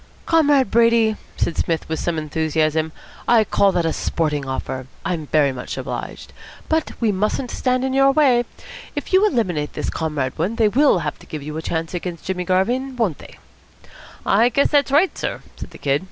"Comrade Brady," said Psmith with some enthusiasm, "I call that a sporting offer. I'm very much obliged. But we mustn't stand in your way. If you eliminate this Comrade Wood, they will have to give you a chance against Jimmy Garvin, won't they?" "I guess that's right, sir," said the Kid.